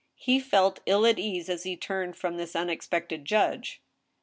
He felt ill at ease as he turned from this unex pected judge.